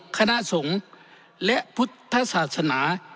คณะสงฆ์และพุทธศาสนา